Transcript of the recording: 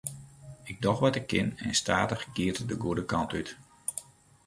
Ik doch wat ik kin en stadich giet it de goede kant út.